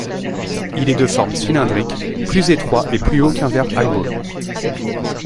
Il est de forme cylindrique, plus étroit et plus haut qu'un verre highball.